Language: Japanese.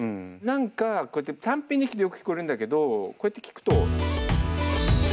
何かこうやって単品で聴くとよく聴こえるんだけどこうやって聴くと。